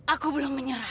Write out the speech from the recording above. aku belum menyerah